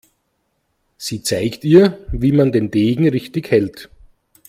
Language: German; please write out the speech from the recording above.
Sie zeigt ihr, wie man den Degen richtig hält.